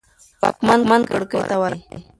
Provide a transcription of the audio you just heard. واکمن کړکۍ ته ورغی.